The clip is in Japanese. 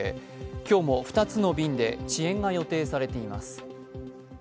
今日も２つの便で遅延が予定されています。